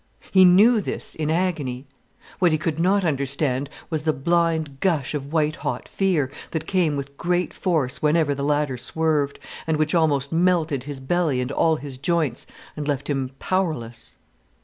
He knew this, in agony. What he could not understand was the blind gush of white hot fear, that came with great force whenever the ladder swerved, and which almost melted his belly and all his joints, and left him powerless.